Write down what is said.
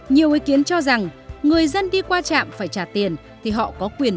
nhiều ý kiến cho rằng người dân đi qua trạm phải trả tiền thì họ có quyền